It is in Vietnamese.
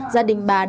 gia đình bà đã ủng hộ